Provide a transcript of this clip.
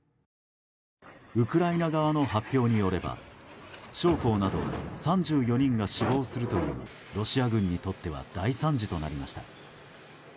ウクライナ側の発表によれば将校など３４人が死亡するというロシア軍にとっては大惨事となりました。